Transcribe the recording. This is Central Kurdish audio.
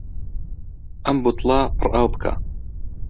ئەم بوتڵە پڕ ئاو بکە.